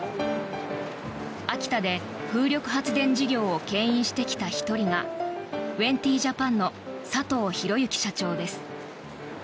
秋田で風力発電事業をけん引してきた１人がウェンティ・ジャパンの佐藤裕之社長です。